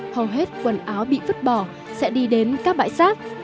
hầu hết quần áo bị vứt bỏ sẽ đi đến các bãi rác